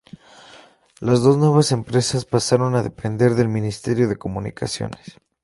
Las dos nuevas empresas pasaron a depender del Ministerio de Comunicaciones.